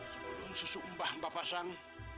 sebelum susu mbah mbak pasang